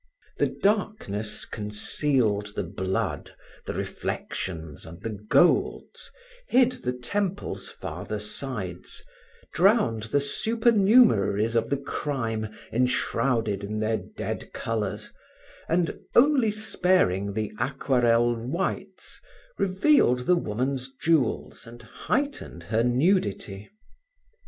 The darkness concealed the blood, the reflections and the golds, hid the temple's farther sides, drowned the supernumeraries of the crime enshrouded in their dead colors, and, only sparing the aquerelle whites, revealed the woman's jewels and heightened her nudity.